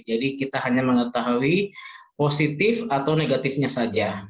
jadi kita hanya mengetahui positif atau negatifnya saja